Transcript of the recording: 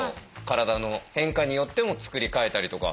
体の変化によってもつくり替えたりとか。